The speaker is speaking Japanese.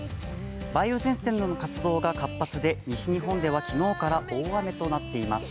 梅雨前線の活動が活発で、西日本では昨日から大雨となっています。